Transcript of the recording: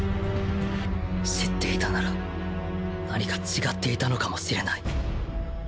知っていたなら何か違っていたのかもしれない